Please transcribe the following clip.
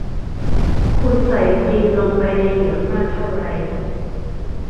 คุณใส่จินลงไปในเหยือกมากเท่าไร